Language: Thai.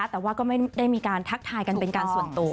แต่ว่าก็ไม่ได้มีการทักทายกันเป็นการส่วนตัว